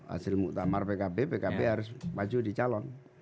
hasil muktamar pkb pkb harus maju di calon